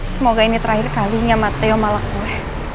semoga ini terakhir kalinya mateo malak gue